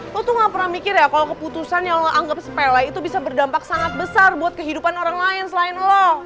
aku tuh gak pernah mikir ya kalau keputusan yang lo anggap sepele itu bisa berdampak sangat besar buat kehidupan orang lain selain lo